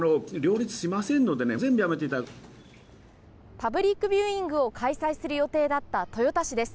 パブリックビューイングを開催する予定だった豊田市です。